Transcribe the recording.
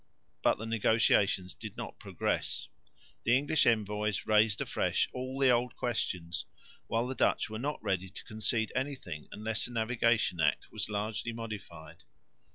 But the negotiations did not progress. The English envoys raised afresh all the old questions, while the Dutch were not ready to concede anything unless the Navigation Act was largely modified.